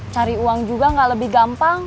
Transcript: cari uang juga nggak lebih gampang